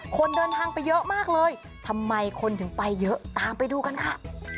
คนเดินทางไปเยอะมากเลยทำไมคนถึงไปเยอะตามไปดูกันค่ะ